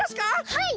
はい！